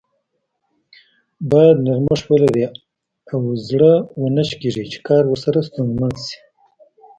بايد نرمښت ولري او زر و نه شکیږي چې کار ورسره ستونزمن شي.